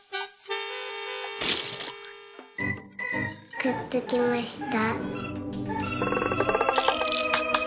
「くっつきました」。